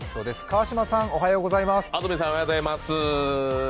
安住さん、おはようございます。